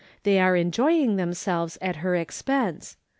They are enjoying themselves at her expense.